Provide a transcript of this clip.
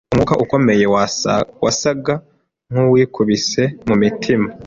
Umwuka ukomeye wasaga nkuwikubise mumitiba